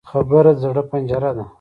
خبره د زړه پنجره ده